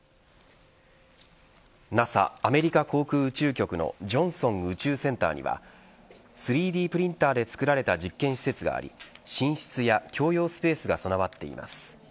ＮＡＳＡアメリカ航空宇宙局のジョンソン宇宙センターには３Ｄプリンターで作られた実験施設があり寝室や共用スペースが備わっています。